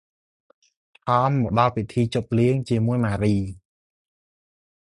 ថម មកដល់ពិធីជប់លៀងជាមួយ ម៉ារី ។